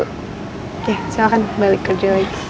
oke silahkan balik kerja lagi